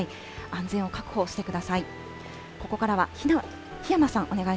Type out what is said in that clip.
安全を確保してください。